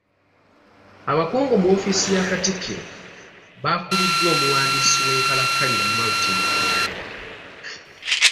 Abakungu mu ofiisi ya katikkiro baakuliddwa omuwandiisi w’enkalakkalira Maltin.